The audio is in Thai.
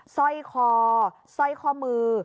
สร้อยคอสร้อยข้อมือ